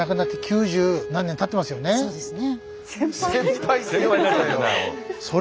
そうですね。